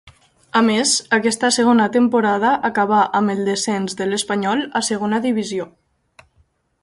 A més, aquesta segona temporada acabà amb el descens de l'Espanyol a Segona Divisió.